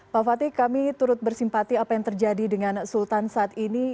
pak fatih kami turut bersimpati apa yang terjadi dengan sultan saat ini